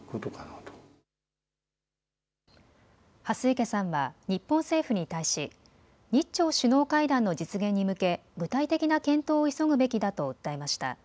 蓮池さんは日本政府に対し日朝首脳会談の実現に向け、具体的な検討を急ぐべきだと訴えました。